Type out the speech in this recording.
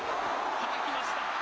はたきました。